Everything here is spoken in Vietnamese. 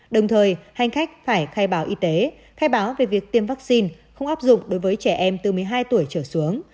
đồng thời hành khách phải khai báo y tế khai báo về việc tiêm vaccine không áp dụng đối với trẻ em từ một mươi hai tuổi trở xuống